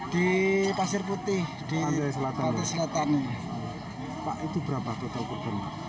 di pasir putih di pantai selatan